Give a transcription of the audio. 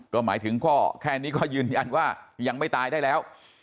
ก็หมายถึงก็แค่นี้ก็ยืนยันว่ายังไม่ตายได้แล้ว